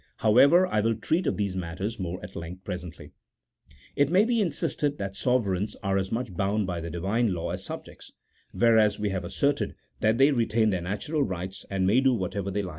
However, I will treat of these matters more at length presently. It may be insisted that sovereigns are as much bound by the Divine law as subjects : whereas we have asserted that they retain their natural rights, and may do whatever they like.